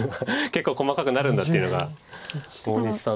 結構細かくなるんだっていうのが大西さんの。